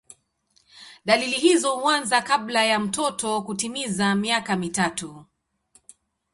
Dalili hizo huanza kabla ya mtoto kutimiza miaka mitatu.